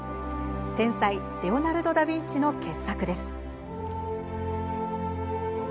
天才レオナルド・ダ・ヴィンチの傑作です。